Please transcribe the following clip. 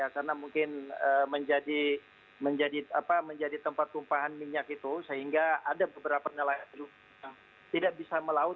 karena mungkin menjadi tempat tumpahan minyak itu sehingga ada beberapa nelayan itu tidak bisa melaut